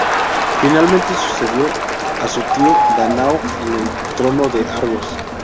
Finalmente sucedió a su tío Dánao en el trono de Argos.